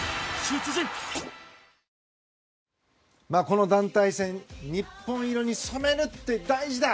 この団体戦日本色に染めるって大事だ。